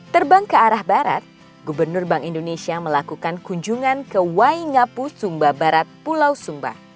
terbang ke arah barat gubernur bank indonesia melakukan kunjungan ke waingapu sumba barat pulau sumba